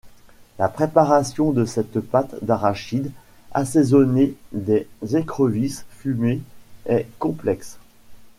La préparation de cette pâte d'arachide assaisonnée des écrevisses fumées est complexe.